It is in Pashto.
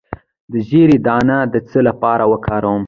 د زیرې دانه د څه لپاره وکاروم؟